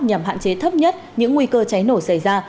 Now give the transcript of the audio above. nhằm hạn chế thấp nhất những nguy cơ cháy nổ xảy ra